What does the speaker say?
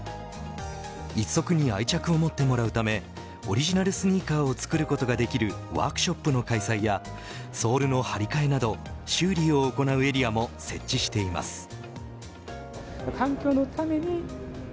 １足に愛着を持ってもらうためオリジナルスニーカーを作ることができるワークショップの開催やソールの張り替えなど修理を行うエリアも設置しています。